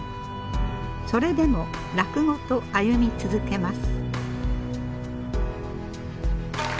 それでも落語と歩み続けます。